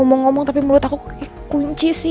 gue mau ngomong tapi mulut aku kayak kunci sih